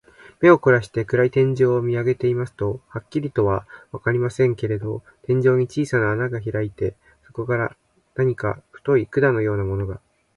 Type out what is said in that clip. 目をこらして、暗い天井を見あげていますと、はっきりとはわかりませんけれど、天井に小さな穴がひらいて、そこから何か太い管のようなものが、